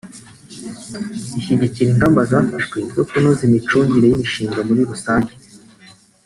ishyigikira ingamba zafashwe zo kunoza imicungire y’imishinga muri rusange